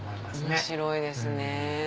面白いですね。